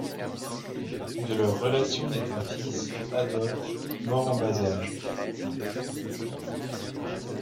De leur relation nait un fils, Adolphe, mort en bas âge.